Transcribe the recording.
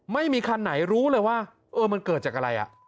ไม่มีคันไหนรู้เลยว่ามันเกิดจากอะไร